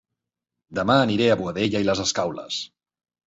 Dema aniré a Boadella i les Escaules